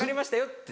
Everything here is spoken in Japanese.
って。